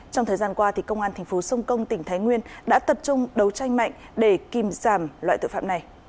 trong thời gian qua công an thành phố sông công tỉnh thái nguyên đã tập trung đấu tranh mạnh để kìm giảm loại tội phạm này